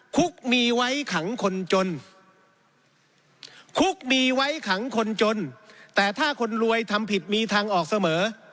คุกมีไว้ขังคนจนคุกมีไว้ขังคนจนแต่ถ้าคนรวยทำผิดมีทางออกเสมอ